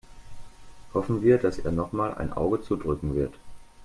Hoffen wir, dass er nochmal ein Auge zudrücken wird.